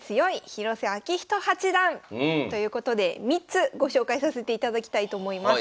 広瀬章人八段」ということで３つご紹介させていただきたいと思います。